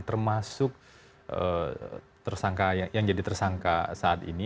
termasuk yang jadi tersangka saat ini